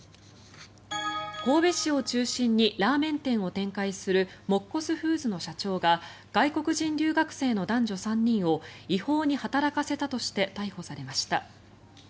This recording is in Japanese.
神戸市を中心にラーメン店を展開するもっこすフーズの社長が外国人留学生の男女３人を違法に働かせたとして逮捕されました。